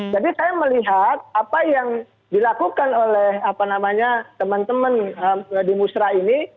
jadi saya melihat apa yang dilakukan oleh apa namanya teman teman di musrah ini